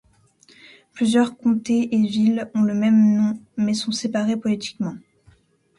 Plusieurs comtés et villes ont le même nom, mais sont séparés politiquement.